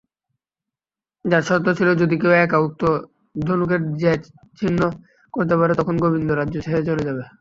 যার শর্ত ছিল যদি কেহ একা উক্ত ধনুকের জ্যা ছিন্ন করতে পারে তখন গোবিন্দ রাজ্য ছেড়ে চলে যাবে।